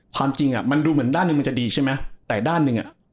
ความจริงมันดูด้านนึงจะดีใช่มั้ยแต่ด้านหนึ่ง